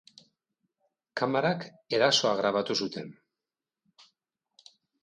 Kamarak erasoa grabatu zuten.